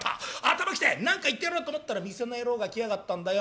頭来て何か言ってやろうと思ったら店の野郎が来やがったんだよ。